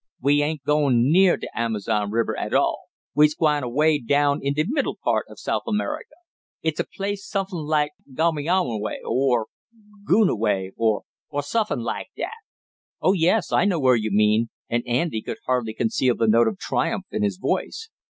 We ain't goin' neah de Amerzon riber at all. We's gwine away down in de middle part of South America. It's a place suffin laik Gomeonaway or Goonaway, or suffin' laik dat." "Oh, yes; I know where you mean!" and Andy could hardly conceal the note of triumph in his voice.